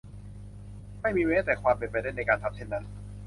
ไม่มีแม้แต่ความเป็นไปได้ในการทำเช่นนั้น